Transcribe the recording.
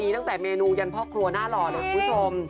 ตั้งแต่เมนูยันพ่อครัวน่ารอดนะคุณผู้ชม